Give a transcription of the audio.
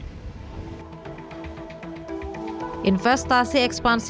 dan kekuatan pertumbuhan ekonomi itu ada di konsumsi